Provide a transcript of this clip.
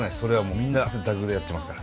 みんな汗だくでやってますから。